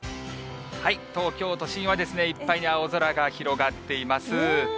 東京都心はいっぱいに青空が広がっています。